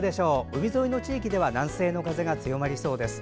海沿いの地域では南西の風が強まりそうです。